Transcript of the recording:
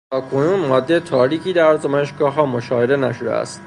تا کنون ماده تاریکی در آزمایشگاه ها مشاهده نشده است.